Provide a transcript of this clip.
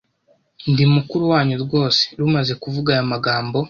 ndi mukuru wanyu rwose Rumaze kuvuga ayo magambo